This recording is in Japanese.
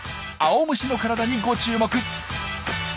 青虫の体にご注目！